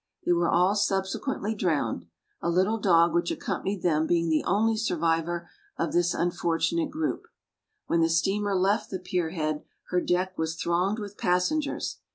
They were all subsequently drowned, a little dog which accompanied them being the only survivor of this unfortunate group. When the steamer left the Pierhead her deck was thronged with passengers.